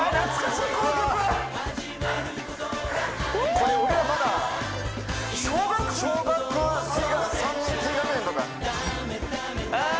これ俺らまだ小学小学３年低学年とかああ